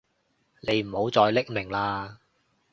你唔好再匿名喇